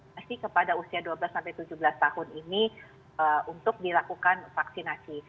masih kepada usia dua belas tujuh belas tahun ini untuk dilakukan vaksinasi